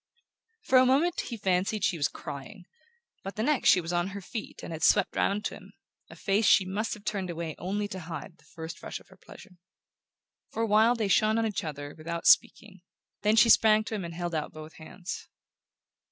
For a moment he fancied she was crying; but the next she was on her feet and had swept round on him a face she must have turned away only to hide the first rush of her pleasure. For a while they shone on each other without speaking; then she sprang to him and held out both hands.